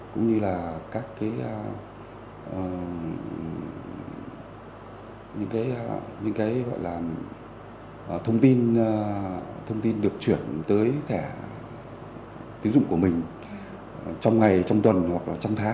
cũng như là các thông tin được chuyển tới thẻ tín dụng của mình trong ngày trong tuần hoặc trong tháng